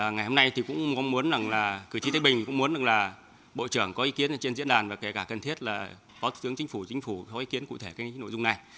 ngày hôm nay thì cũng muốn rằng là cử tri thái bình cũng muốn rằng là bộ trưởng có ý kiến trên diễn đàn và kể cả cần thiết là phó thủ tướng chính phủ chính phủ có ý kiến cụ thể cái nội dung này